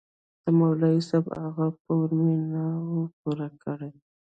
د مولوي صاحب هغه پور مې نه و پرې كړى.